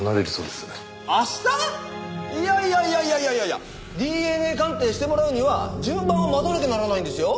いやいやいやいやいやいやいやＤＮＡ鑑定してもらうには順番を待たなきゃならないんですよ。